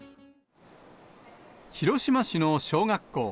広島市の小学校。